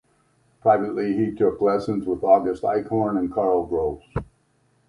Privately he took lessons with August Eichhorn and Karl Grosch.